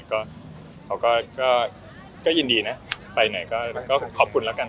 เขาก็ยินดีนะไปหน่อยก็ขอบคุณละกัน